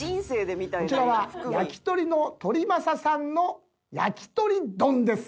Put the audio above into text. こちらは焼き鳥の鳥政さんのやきとり丼です。